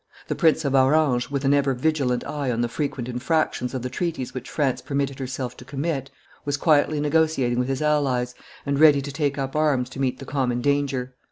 The Prince of Orange, with an ever vigilant eye on the frequent infractions of the treaties which France permitted herself to commit, was quietly negotiating with his allies, and ready to take up arms to meet the common danger.